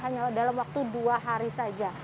hanya dalam waktu dua hari saja